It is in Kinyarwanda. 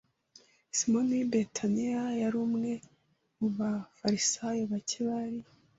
Simoni w'i Betaniya yari umwe mu bafarisayo bake bari